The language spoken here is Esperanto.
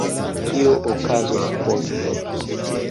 Kio okazos poste?